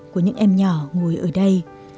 của những em nhỏ ngồi ở đây